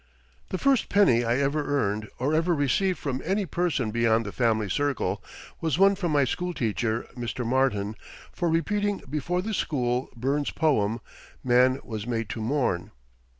The first penny I ever earned or ever received from any person beyond the family circle was one from my school teacher, Mr. Martin, for repeating before the school Burns's poem, "Man was made to Mourn."